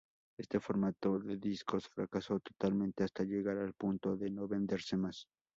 Este formato de discos fracasó totalmente hasta llegar al punto de no venderse más.